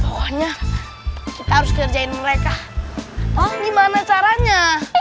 semuanya harus kerjain mereka hah gimana caranya